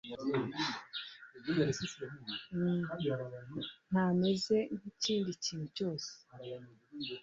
ntameze nkikindi kintu cyose